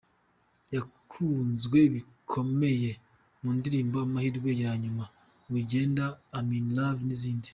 Yakunzwe bikomeye mu ndirimbo ‘Amahirwe ya Nyuma’, ‘Wigenda’, ‘Am In Love’ n’izindi.